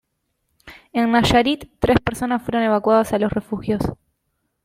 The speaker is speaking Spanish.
En Nayarit, tres personas fueron evacuadas a los refugios.